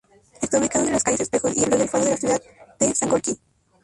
Está ubicado entre las calles Espejo y Eloy Alfaro de la ciudad de Sangolquí.